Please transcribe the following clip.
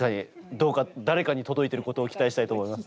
どうか誰かに届いてることを期待したいと思います。